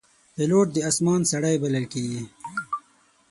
پیلوټ د آسمان سړی بلل کېږي.